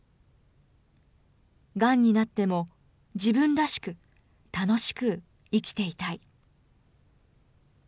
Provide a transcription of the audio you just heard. がんになっても、自分らしく、楽しく生きていたい。